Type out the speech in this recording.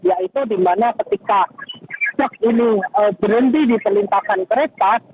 yaitu di mana ketika truk ini berhenti di perlintasan kereta